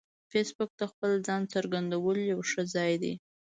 فېسبوک د خپل ځان څرګندولو یو ښه ځای دی